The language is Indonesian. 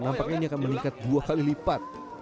nampaknya ini akan meningkat dua kali lipat